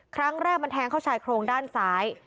ครั้งแรกมันแทงเข้าชายโครงด้านซ้าย